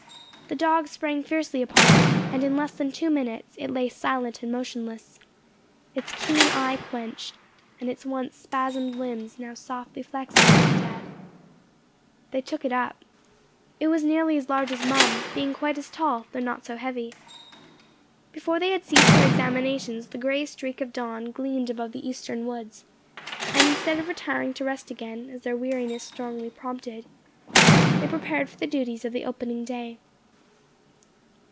The dogs sprang fiercely upon it, and in less than two minutes it lay silent and motionless, its keen eye quenched, and its once spasmed limbs now softly flexible in death. They took it up. It was nearly as large as Mum, being quite as tall, though not so heavy. Before they had ceased their examinations the grey streak of dawn gleamed above the eastern woods, and instead of retiring to rest again, as their weariness strongly prompted, they prepared for the duties of the opening day.